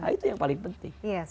itu yang paling penting